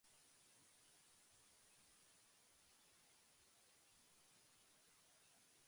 He was music teacher to Gaetano Donizetti.